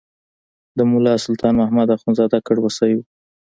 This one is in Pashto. د ملا سلطان محمد اخندزاده کړوسی و.